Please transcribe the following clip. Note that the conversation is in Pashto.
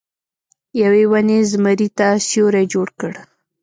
یوې ونې زمري ته سیوری جوړ کړ.